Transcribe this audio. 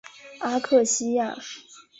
阿克西亚。